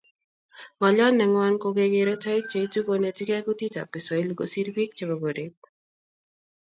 Ngolyot nengwan ko kekere toek cheitu konetkei kutitab kiswahili kosir bik chebo koret